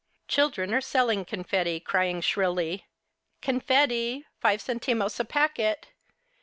Children are selling confetti, crying shrilly, " Confetti, five centimos a packet.